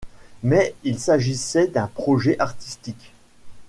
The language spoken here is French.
Mais il s'agissait d'un projet artistique.